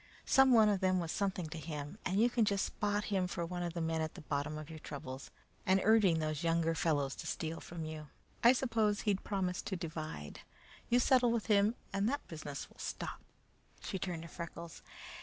Some one of them was something to him, and you can just spot him for one of the men at the bottom of your troubles, and urging those younger fellows to steal from you. I suppose he'd promised to divide. You settle with him, and that business will stop." She turned to Freckles.